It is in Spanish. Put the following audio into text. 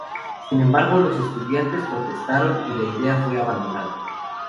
Sin embargo, los estudiantes protestaron, y la idea fue abandonada.